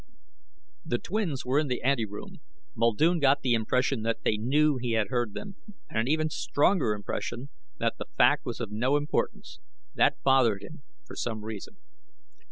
The twins were in the anteroom. Muldoon got the impression they knew he had heard them, and an even stronger impression, that the fact was of no importance. That bothered him, for some reason.